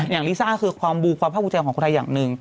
อย่างลิซ่าคือความภาคก่าวใจของคุณไทยอย่างนึง